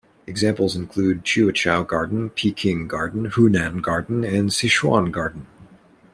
Examples include Chiuchow Garden, Peking Garden, Hunan Garden and Sichuan Garden.